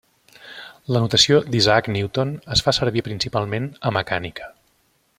La notació d'Isaac Newton es fa servir principalment a mecànica.